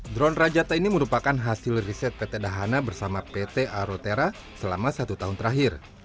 drone rajata ini merupakan hasil riset pt dahana bersama pt arotera selama satu tahun terakhir